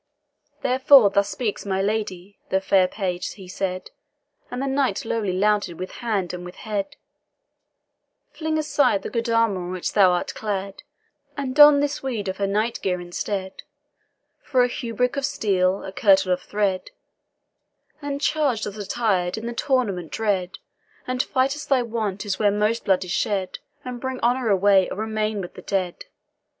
"Therefore thus speaks my lady," the fair page he said, And the knight lowly louted with hand and with head, "Fling aside the good armour in which thou art clad, And don thou this weed of her night gear instead, For a hauberk of steel, a kirtle of thread; And charge, thus attir'd, in the tournament dread, And fight as thy wont is where most blood is shed, And bring honour away, or remain with the dead."